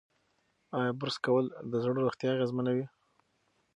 ایا برس کول د زړه روغتیا اغېزمنوي؟